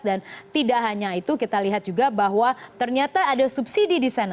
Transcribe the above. dan tidak hanya itu kita lihat juga bahwa ternyata ada subsidi di sana